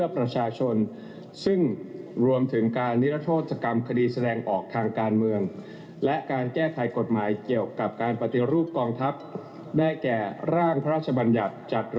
ภายในราชอาณาจักร